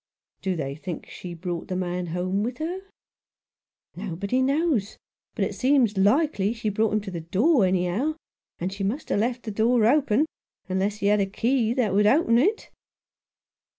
"Do they think she brought the man home with her?" " Nobody knows, but it seems likely she brought him to the door, anyhow ; and she must have left the door open — unless he had a key that would open it."